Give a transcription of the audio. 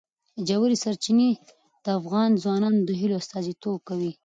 ژورې سرچینې د افغان ځوانانو د هیلو استازیتوب کوي.